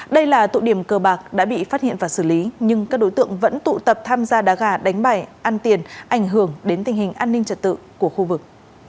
đây là tụ điểm cờ bạc đã bị phát hiện và xử lý nhưng các đối tượng vẫn tụ tập tham gia đá gà đánh bài ăn tiền ảnh hưởng đến tình hình an ninh trật tự của khu vực